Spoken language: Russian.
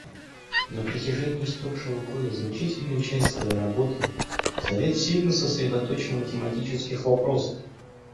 На протяжении истекшего года значительную часть своей работы Совет сильно сосредоточил на тематических вопросах.